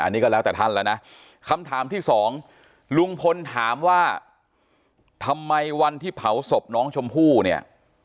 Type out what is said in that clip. อันนี้ก็แล้วแต่ท่านแล้วนะคำถามที่สองลุงพลถามว่าทำไมวันที่เผาศพน้องชมพู่เนี่ย